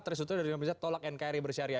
itu dari dunia misalnya tolak nkri bersyariah